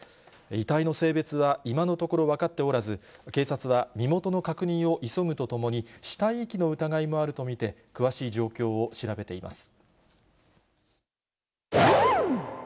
遺体の性別は今のところ分かっておらず、警察は身元の確認を急ぐとともに、死体遺棄の疑いもあると見て、詳しい状況を調べています。